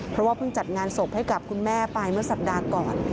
เพราะว่าเพิ่งจัดงานศพให้กับคุณแม่ไปเมื่อสัปดาห์ก่อน